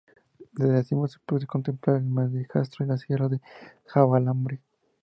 Desde la cima se puede contemplar el Maestrazgo y la sierra de Javalambre.